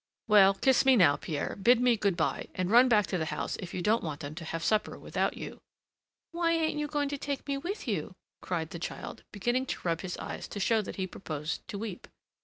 "Well, kiss me now, Pierre, bid me good by, and run back to the house if you don't want them to have supper without you." "Why, ain't you going to take me with you?" cried the child, beginning to rub his eyes to show that he proposed to weep.